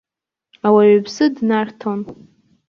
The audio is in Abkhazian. Ауаҩԥсы днарҭон.